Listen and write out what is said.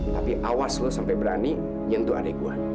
tapi awas lu sampai berani nyentuh adik gue